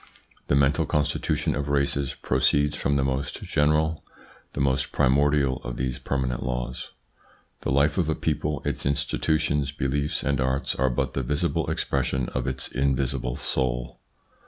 The mental con stitution of races proceeds from the most general, the most primordial of these permanent laws. The life of a people, its institutions, beliefs, and arts are but the visible expression of its invisible soul.